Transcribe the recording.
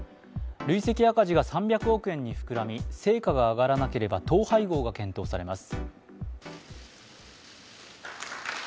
累積赤字が３００億円に膨らみ、成果が上がらなければ統廃合が検討されます。